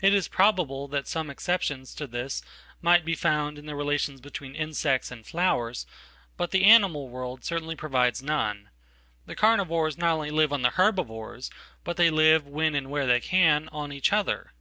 It is probable thatsome exceptions to this might be found in the relations betweeninsects and flowers, but the animal world certainly provides none. The carnivora not only live on the herbivore, but they live, whenand where they can, on each other.